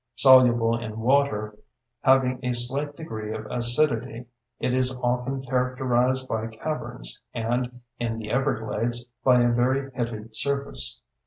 Soluble in water having a slight degree of acidity, it is often characterized by caverns and, in the everglades, by a very pitted surface.